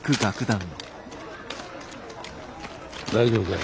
大丈夫かい？